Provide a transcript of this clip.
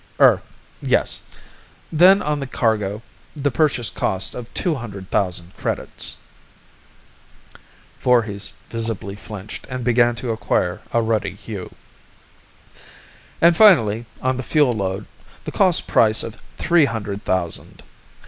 "Er ... yes. Then on the cargo, the purchase cost of two hundred thousand credits." Voorhis visibly flinched and began to acquire a ruddy hue. "And, finally, on the fuel load, the cost price of three hundred thousand.